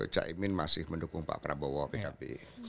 cak imin masih mendukung pak prabowo pkb